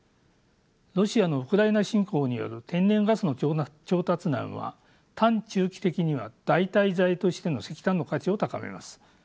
ロシアのウクライナ侵攻による天然ガスの調達難は短・中期的には代替財としての石炭の価値を高めます。